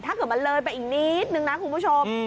ถ้าเกิดมันเลยไปอีกนิดนึงนะคุณผู้ชม